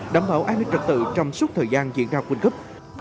đảm bảo an ninh trật tự trong suốt thời gian diễn ra quân cấp